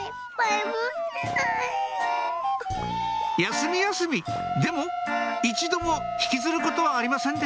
休み休みでも一度も引きずることはありませんでした